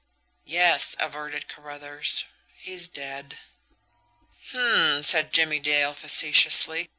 "Yes," averted Carruthers; "he's dead." "H'm!" said Jimmie Dale facetiously.